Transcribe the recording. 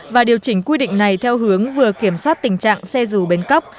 và điều chỉnh quy định này theo hướng vừa kiểm soát tình trạng xe dù bên cốc